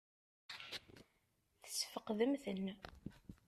Tesfeqdem-ten?